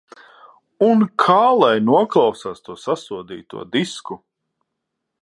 Un kā lai noklausās to sasodīto disku?...